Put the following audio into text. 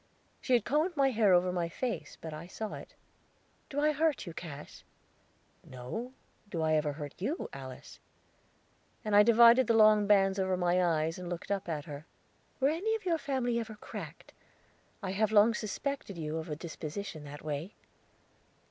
She had combed my hair over my face, but I saw it. "Do I hurt you, Cass?" "No, do I ever hurt you, Alice?" And I divided the long bands over my eyes, and looked up at her. "Were any of your family ever cracked? I have long suspected you of a disposition that way."